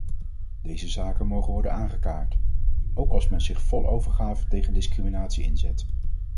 Deze zaken mogen worden aangekaart, ook als men zich vol overgave tegen discriminatie inzet.